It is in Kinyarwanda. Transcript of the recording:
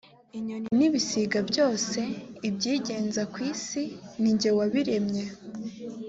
inyoni n’ ibisiga byose, ibyigenza ku isi ninjye wabiremye